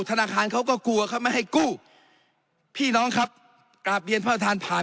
ธนาคารเขาก็กลัวเขาไม่ให้กู้พี่น้องครับกราบเรียนท่านประธานผ่าน